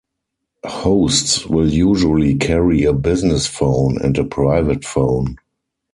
Hosts will usually carry a business phone and a private phone.